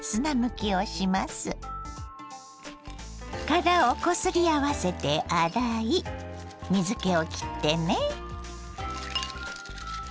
殻をこすり合わせて洗い水けを切ってね。